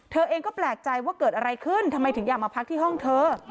เธอเองก็แปลกใจว่าเกิดอะไรขึ้นทำไมถึงอยากมาพักที่ห้องเธอ